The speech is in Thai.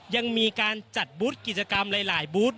ยังมีการจัดบุตรกรีจกรรมหลายบุตร